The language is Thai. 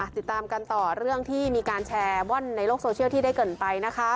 ติดตามกันต่อเรื่องที่มีการแชร์ว่อนในโลกโซเชียลที่ได้เกิดไปนะคะ